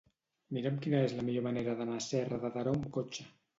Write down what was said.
Mira'm quina és la millor manera d'anar a Serra de Daró amb cotxe.